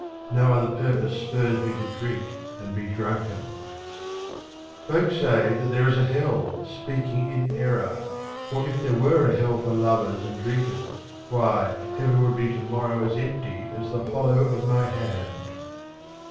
No other purpose spurs me to drink and be drunken. Folk say that there is a hell, speaking in error ; for if there were a hell for lovers and 70 QUATRAINS OF OMAR KHAYYAM drinkers, why, Heaven would be to morrow empty as the hollow of my hand.